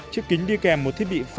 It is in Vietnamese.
chiếc kính đi kèm một thiết bị vật chế